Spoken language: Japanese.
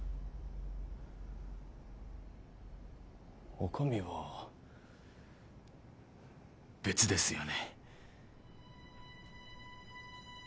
お上は別ですよね